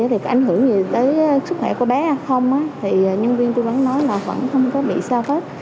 thì có ảnh hưởng gì tới sức khỏe của bé không thì nhân viên tư vấn nói là vẫn không có bị sao hết